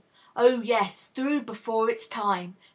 Oh, yes; through before its time.